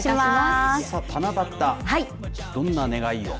七夕、どんな願いを。